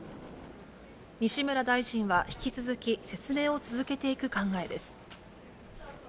西村大臣は、引き続き説明を続けていく考えです。